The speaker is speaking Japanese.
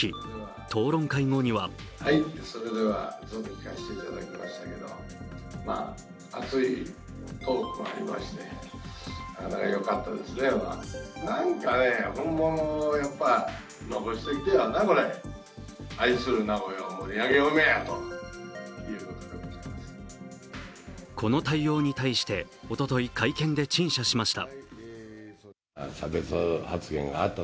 討論会後にはこの対応に対しておととい会見で陳謝しました。